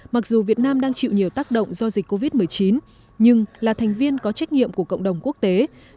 mặc dù việt nam đang chịu nhiều tác động do dịch covid một mươi chín nhưng là thành viên có trách nhiệm của cộng đồng quốc tế